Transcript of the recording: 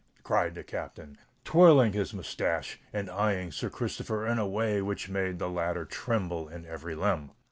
cried the Captain, twirling his moustache, and eyeing Sir Christopher in a way which made the latter tremble in every limb.